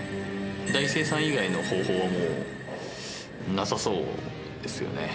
大精算以外の方法はもう、なさそうですよね。